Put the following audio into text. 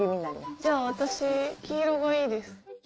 じゃあ私黄色がいいです。